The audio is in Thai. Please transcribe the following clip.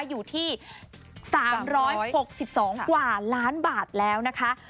อยู่ที่๓๖๒กว่าล้านบาทแล้วนะคะ